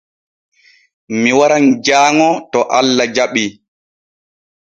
Mi waran jaaŋo to Allah jaɓii.